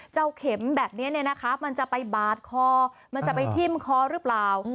เจ้าเข็มแบบนี้เนี่ยนะครับมันจะไปบาดคอมันจะไปพิ่มคอหรือเปล่า